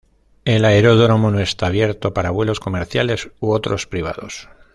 El aeródromo no está abierto para vuelos comerciales u otros privados.